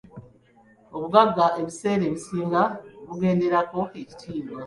Obugagga ebiseera ebisinga bugenderako ekitiibwa.